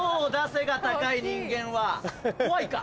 背が高い人間は怖いか？